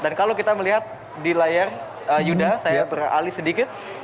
dan kalau kita melihat di layar yuda saya beralih sedikit